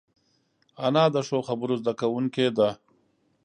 انا د ښو خبرو زده کوونکې ده